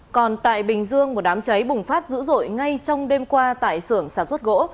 còn tại bình dương một đám cháy bùng phát dữ dội ngay trong đêm qua tại sưởng sản xuất gỗ